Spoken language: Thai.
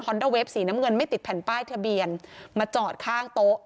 เดอร์เฟฟสีน้ำเงินไม่ติดแผ่นป้ายทะเบียนมาจอดข้างโต๊ะ